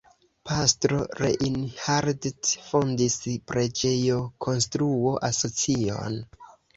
Pastro Reinhardt fondis preĝejokonstruo-asocion.